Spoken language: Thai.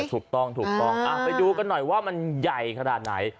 ถูกต้องถูกต้องไปดูกันหน่อยว่ามันใหญ่ขนาดไหน